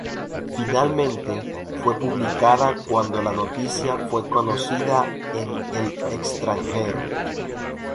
Finalmente fue publicada cuando la noticia fue conocida en el extranjero.